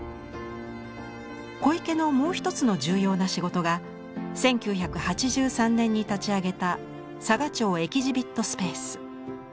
小池のもう一つの重要な仕事が１９８３年に立ち上げた「佐賀町エキジビット・スペース」。